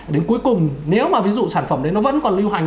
đến cuối cùng nếu mà ví dụ sản phẩm đấy nó vẫn còn lưu hành